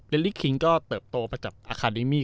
เล็ตติรีกิ้งก็เติบโตไปจากอาร์คาดิมี